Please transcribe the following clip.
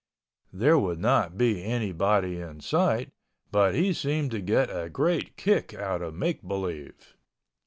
There would not be anybody in sight, but he seemed to get a great kick out of make believe.